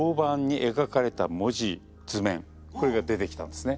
これが出てきたんですね。